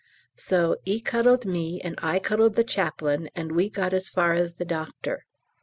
"So 'e cuddled me, and I cuddled the Chaplain, and we got as far as the doctor."